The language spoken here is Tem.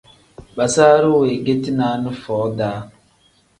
Basaru wengeti naani foo-daa.